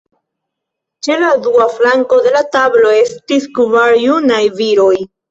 Ĉe la dua flanko de la tablo estis kvar junaj viroj.